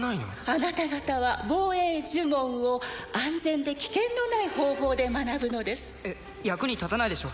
あなた方は防衛呪文を安全で危険のない方法で学ぶのです役に立たないでしょ